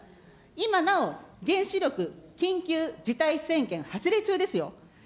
今なお原子力緊急事態宣言発令中ですよ。